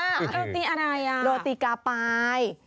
โรตีอะไรอ่ะโรตีกาปาย